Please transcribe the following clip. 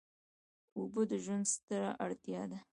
اوبه د ژوند ستره اړتیا ده.